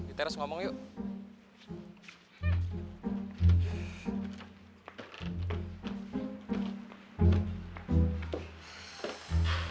di teras ngomong yuk